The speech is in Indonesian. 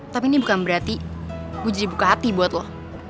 tapi ini bukan berarti gue jadi buka hati buat lo